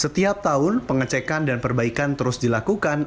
setiap tahun pengecekan dan perbaikan terus dilakukan